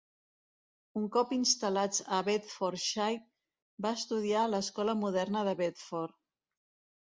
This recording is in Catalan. Un cop instal·lats a Bedfordshire, va estudiar a l'Escola moderna de Bedford.